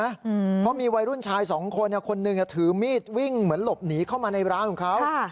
เพราะมีวัยรุ่นชายสองคนคนหนึ่งถือมีดวิ่งเหมือนหลบหนีเข้ามาในร้านของเขา